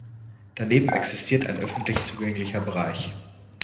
Daneben existiert ein öffentlich zugänglicher Bereich.